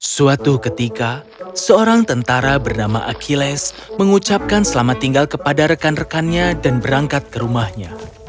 suatu ketika seorang tentara bernama akilas mengucapkan selamat tinggal kepada rekan rekannya dan berangkat ke rumahnya